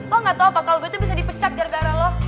lo gak tau apa kalau gua tuh bisa dipecat gara gara lo